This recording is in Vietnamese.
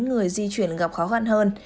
người di chuyển gặp khó khăn hơn